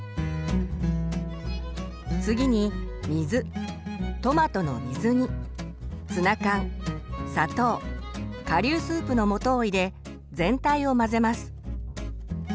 次に水トマトの水煮ツナ缶砂糖顆粒スープの素を入れ全体を混ぜます。